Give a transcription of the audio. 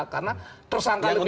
karena tersangka lebih dulu